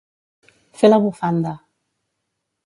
Fer la bufanda.